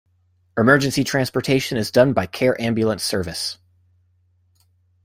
Emergency transportation is done by Care Ambulance Service.